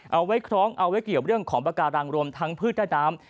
เอาไว้คล้องเอาไว้เกี่ยวเรื่องของปากการังรวมทั้งพืชใต้น้ำ